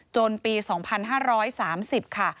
ปี๒๕๓๐ค่ะ